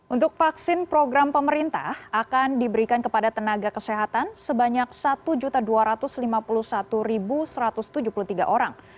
untuk vaksin program pemerintah akan diberikan kepada tenaga kesehatan sebanyak satu dua ratus lima puluh satu satu ratus tujuh puluh tiga orang